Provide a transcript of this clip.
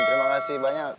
terima kasih banyak